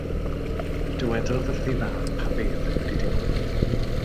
Dywedodd wrth ei fam pa beth oedd wedi digwydd.